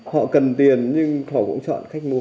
họ cần tiền nhưng họ cũng chọn cách mua